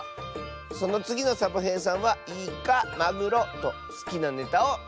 そのつぎのサボへいさんは「イカマグロ」とすきなネタをいってね！